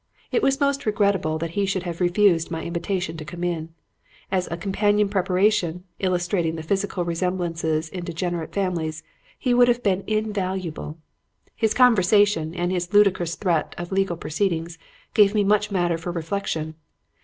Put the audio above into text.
It was most regrettable that he should have refused my invitation to come in. As a companion preparation, illustrating the physical resemblances in degenerate families, he would have been invaluable. "His conversation and his ludicrous threat of legal proceedings gave me much matter for reflection.